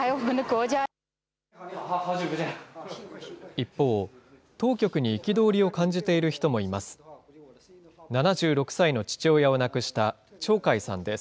一方、当局に憤りを感じている人もいます。